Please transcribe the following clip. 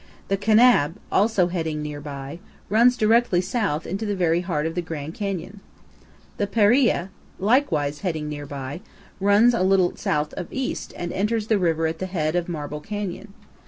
The Kanab, also heading near by, runs directly south into the very heart of the Grand Canyon. The Paria, likewise heading near by, runs a little south of east and enters the river at the head of Marble Canyon.